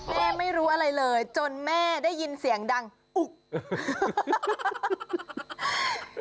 แม่ไม่รู้อะไรเลยจนแม่ได้ยินเสียงดังอึก